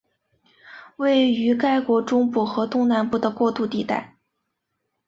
位于该国中部和东南部的过渡地带。